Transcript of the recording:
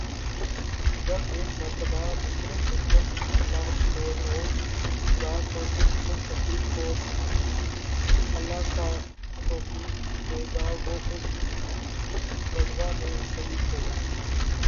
جب ایک مرتبہ مشرک دشمن حملہ آور ہو گا، تو جس خوش نصیب کو اللہ توفیق دے گا وہ اس غزوہ میں شریک ہوگا۔۔